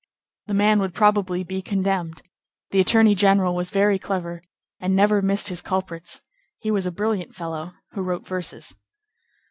The man would probably be condemned; the attorney general was very clever, and never missed his culprits; he was a brilliant fellow who wrote verses.